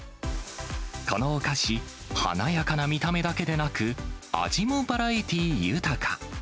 このお菓子、華やかな見た目だけでなく、味もバラエティー豊か。